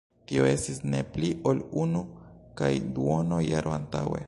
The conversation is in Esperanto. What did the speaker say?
Tio estis ne pli ol unu kaj duono jaro antaŭe.